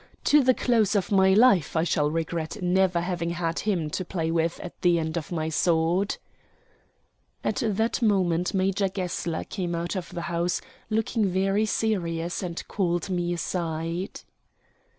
To the close of my life I shall regret never having had him to play with at the end of my sword." At that moment Major Gessler came out of the house looking very serious and called me aside.